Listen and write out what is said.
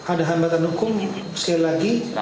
ada hambatan hukum sekali lagi